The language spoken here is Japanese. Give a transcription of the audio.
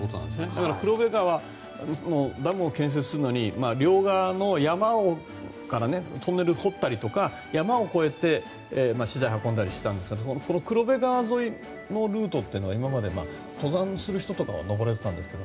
だから黒部川のダムを建設するのに両側の山からトンネルを掘ったりとか山を越えて、資材を運んだりしていたんですが黒部川沿いのルートっていうのは今まで、登山する人とかは登れていたんですが。